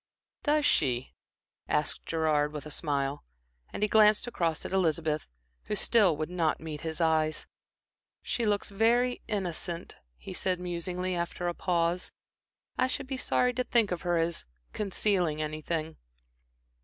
"Does she?" asked Gerard with a smile, and he glanced across at Elizabeth, who still would not meet his eyes. "She looks very innocent," he said, musingly, after a pause. "I should be sorry to think of her as concealing anything."